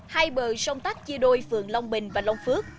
hai bờ sông tác chia đôi phường long bình và long phước